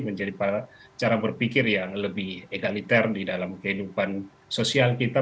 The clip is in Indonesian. menjadi cara berpikir yang lebih egaliter di dalam kehidupan sosial kita